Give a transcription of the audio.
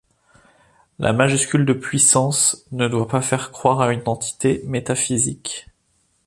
La majuscule de Puissance ne doit pas faire croire à une entité métaphysique.